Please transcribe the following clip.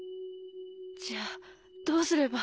じゃあどうすれば。